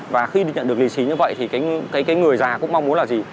và khi nhận được lì xì như vậy thì cái người già cũng mong muốn là gì